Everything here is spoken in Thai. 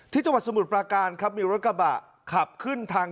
จังหวัดสมุทรปราการครับมีรถกระบะขับขึ้นทาง